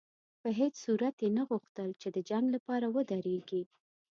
په هېڅ صورت یې نه غوښتل چې د جنګ لپاره ودرېږي.